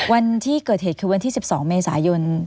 วันที่เกิดเหตุคือ๑๒เมษายน